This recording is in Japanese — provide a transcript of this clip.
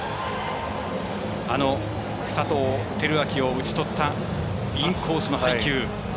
佐藤輝明を打ち取ったインコースの配球。